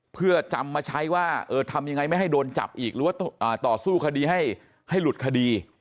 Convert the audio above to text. เพื่อจำมาใช้ว่าทำยังไงไม่ให้โดนจับอีกหรือว่าต่อสู้คดีให้หลุดคดี